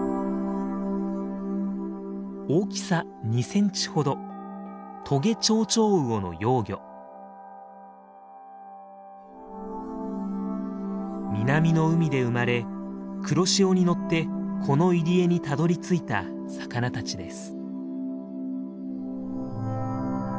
大きさ２センチほど南の海で生まれ黒潮に乗ってこの入り江にたどりついた魚たちです。